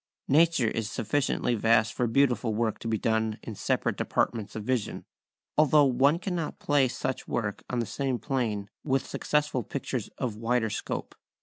Nature is sufficiently vast for beautiful work to be done in separate departments of vision, although one cannot place such work on the same plane with successful pictures of wider scope.